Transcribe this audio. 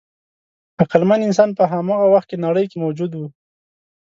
عقلمن انسان په هماغه وخت کې نړۍ کې موجود و.